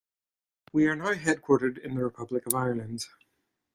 We are now headquartered in the Republic of Ireland.